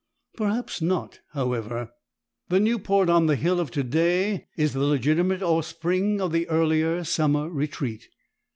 Perhaps not, however. The Newport on the hill of to day is the legitimate offspring of the earlier summer retreat.